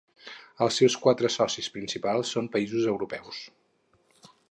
Els seus quatre socis principals són països europeus.